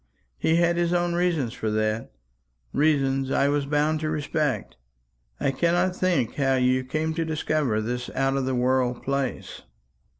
He had his own reasons for that reasons I was bound to respect. I cannot think how you came to discover this out of the world place."